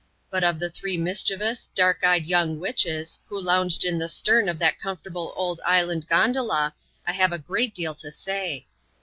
But of the three mis cbievous, dark eyed young witches, who lounged in the stern of that comfortable old island gondola, I have a great deal to say.